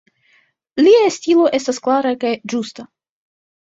Lia stilo estas klara kaj ĝusta.